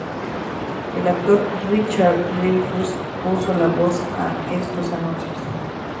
El actor Richard Dreyfuss puso la voz a estos anuncios.